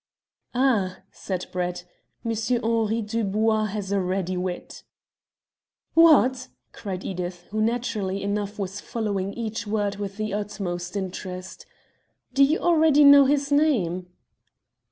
"Ah!" said Brett, "Monsieur Henri Dubois has a ready wit." "What!" cried Edith, who naturally enough was following each word with the utmost interest, "do you already know his name?"